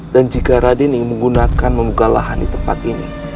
dan jika raden ingin menggunakan memuka lahan di tempat ini